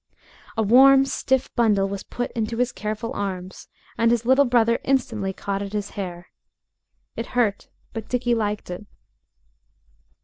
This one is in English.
A warm, stiff bundle was put into his careful arms, and his little brother instantly caught at his hair. It hurt, but Dickie liked it.